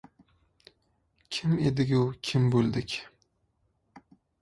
Kim edigu kim bo‘ldik?